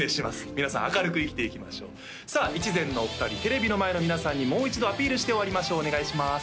皆さん明るく生きていきましょうさあいちぜん！のお二人テレビの前の皆さんにもう一度アピールして終わりましょうお願いします